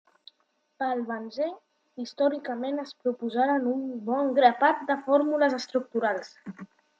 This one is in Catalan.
Pel benzè, històricament es proposaren un bon grapat de fórmules estructurals.